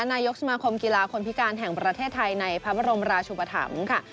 นายกสมาคมกีฬาคนพิการแห่งประเทศไทยในพระบรมราชุปธรรมค่ะ